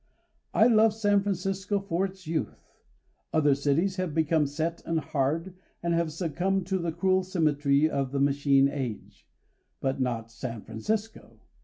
I love San Francisco for its youth. Other cities have become set and hard and have succumbed to the cruel symmetry of the machine age, but not San Francisco.